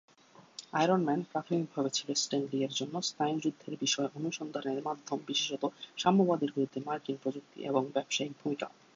Iron Man প্রাথমিকভাবে ছিল Stan লী-এর জন্য স্নায়ুযুদ্ধের বিষয় অনুসন্ধানের মাধ্যম বিশেষত, সাম্যবাদের বিরুদ্ধে মার্কিন প্রযুক্তি এবং ব্যবসায়িক ভূমিকা।